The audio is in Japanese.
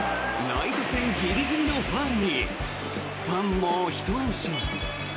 ライト線ギリギリのファウルにファンもひと安心。